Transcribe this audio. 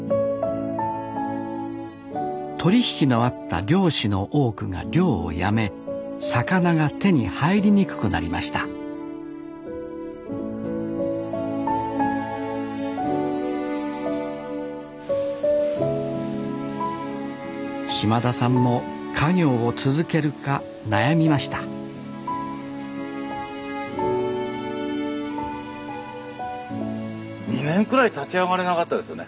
取り引きのあった漁師の多くが漁をやめ魚が手に入りにくくなりました島田さんも家業を続けるか悩みました２年くらい立ち上がれなかったですよね。